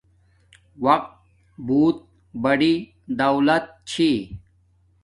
وقت بوت بڑی دولت چھی